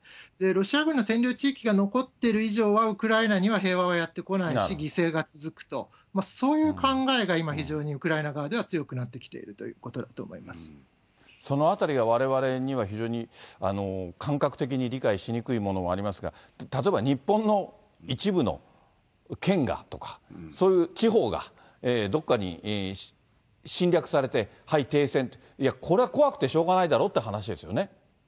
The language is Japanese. ロシア軍の占領地域が残っている以上は、ウクライナには平和はやって来ないし、犠牲が続くと、そういう考えが今、非常にウクライナ側では強くなってきているということだと思いまそのあたりが、われわれには、非常に感覚的に理解しにくいものもありますが、例えば、日本の一部の県がとか、そういう地方がどっかに侵略されて、はい、停戦と、いや、これは怖くてしょうがないだろうって話ですよね。